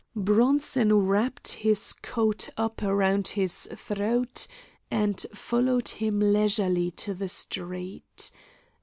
Bronson wrapped his coat up around his throat and followed him leisurely to the street.